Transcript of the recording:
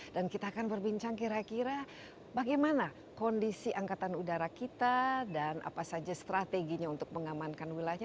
dan kita akan berbincang kira kira bagaimana kondisi angkatan udara kita dan apa saja strateginya untuk mengamankan wilayahnya